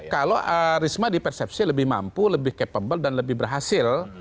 kalau risma di persepsi lebih mampu lebih capable dan lebih berhasil